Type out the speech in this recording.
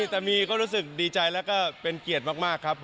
แต่มีก็รู้สึกดีใจแล้วก็เป็นเกียรติมากครับผม